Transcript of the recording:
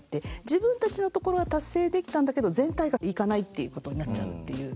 自分たちのところは達成できたんだけど全体がいかないっていうことになっちゃうっていう。